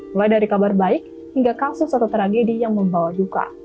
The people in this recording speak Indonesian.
mulai dari kabar baik hingga kasus atau tragedi yang membawa duka